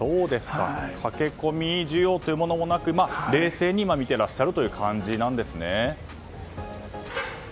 駆け込み需要というものもなく冷静に見ていらっしゃるという感じなんですね。